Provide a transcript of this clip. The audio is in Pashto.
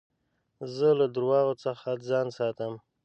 زه له درواغو څخه ځان ساتم.